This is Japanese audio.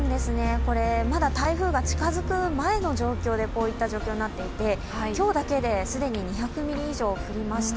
まだ台風が近づく前の状況でこういった状況になっていて今日だけで既に２００ミリ以上、降りました。